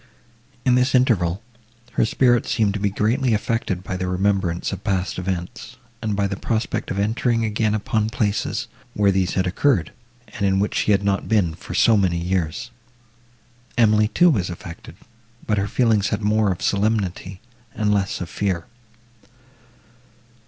In this interval, her spirits seemed to be greatly affected by the remembrance of past events, and by the prospect of entering again upon places, where these had occurred, and in which she had not been for so many years. Emily too was affected, but her feelings had more of solemnity, and less of fear.